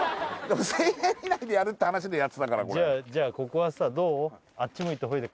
１０００円以内でやるって話でやってたからこれじゃあここはさどう？